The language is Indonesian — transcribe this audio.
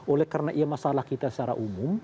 oleh karena ya masalah kita secara umum